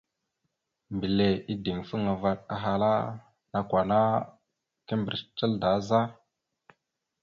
Mbile ideŋfaŋa vaɗ ahala: « Nakw ana kimbirec tal daa za? ».